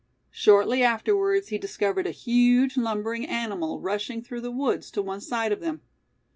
Shortly afterwards he discovered a huge lumbering animal rushing through the woods to one side of them.